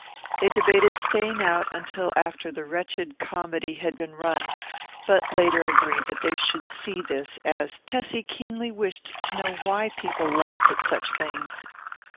They debated staying out until after the wretched comedy had been run, but later agreed that they should see this, as Tessie keenly wished to know why people laughed at such things.